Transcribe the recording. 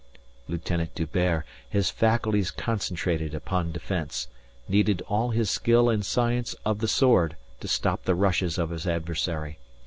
Lieutenant D'Hubert, his faculties concentrated upon defence, needed all his skill and science of the sword to stop the rushes of his adversary.